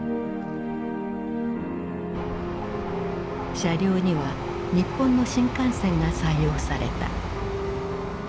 車両には日本の新幹線が採用された。